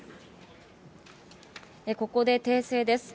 ここで訂正です。